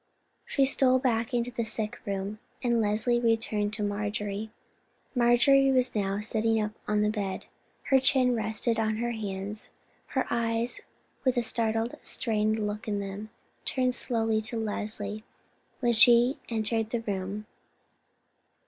She stole back to the sick room, and Leslie returned to Marjorie. Marjorie was now sitting up on the bed. Her chin rested on her hands; her eyes, with a startled, strained look in them, turned slowly to Leslie when she entered the room.